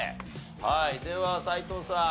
はいでは斎藤さん。